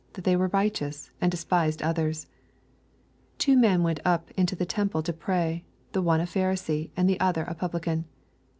hat they were righteous, and de spised others. 10 Two men went up into the tem ple to pray : the one a Pharisee, and the other a publican.